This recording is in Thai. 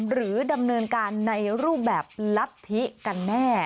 หรือดำเนินการในรูปแบบลัทธิกันแน่